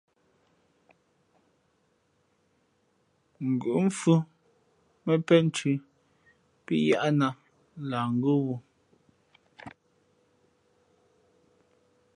Ngʉ̌ʼ mfhʉ̄ mα peʼnthʉ̄ pí yahnāt lah ngʉ́ wū.